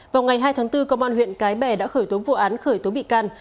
vào ngày hai tháng bốn công an huyện cái bè đã khởi tố vụ án khởi tố bị can